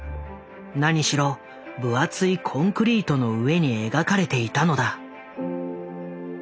何しろ分厚いコンクリートの上に描かれていたのだ。